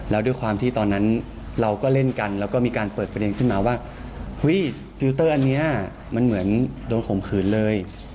แล้วด้วยความที่ตอนนั้นเราก็เล่นกันแล้วก็มีการเปิดประเด็นขึ้นมาว่าเฮ้ยฟิลเตอร์อันนี้มันเหมือนโดนข่มขืนเลย